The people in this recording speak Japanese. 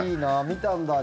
見たんだ。